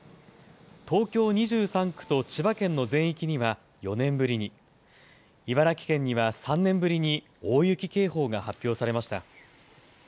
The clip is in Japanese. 東京２３区と千葉県の全域には４年ぶりに、茨城県には３年ぶりに大雪警報が発表されました。